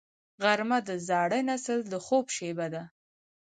غرمه د زاړه نسل د خوب شیبه ده